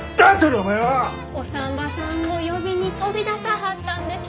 お産婆さんを呼びに飛び出さはったんです。